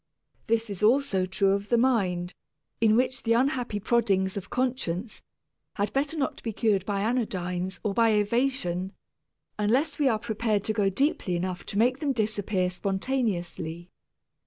This is also true of the mind in which the unhappy proddings of conscience had better not be cured by anodynes or by evasion unless we are prepared to go deeply enough to make them disappear spontaneously.